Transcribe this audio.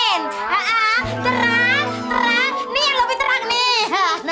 haaah terang terang nih yang lebih terang nih